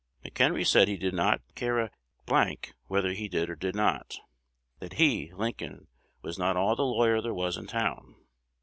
McHenry said he did not care a d n whether he did or not; that he (Lincoln) was not all the lawyer there was in town.